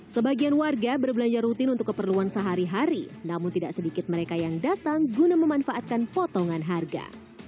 sebagian warga berbelanja rutin untuk keperluan sehari hari namun tidak sedikit mereka yang datang guna memanfaatkan potongan harga